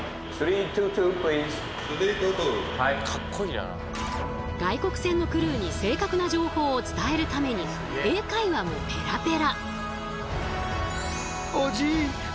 しかも外国船のクルーに正確な情報を伝えるために英会話もペラペラ。